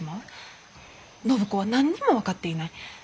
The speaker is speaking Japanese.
暢子は何にも分かっていない。